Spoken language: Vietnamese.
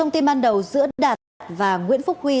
thông tin ban đầu giữa đạt và nguyễn phúc huy